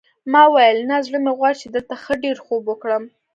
ما وویل نه زړه مې غواړي چې دلته ښه ډېر خوب وکړم.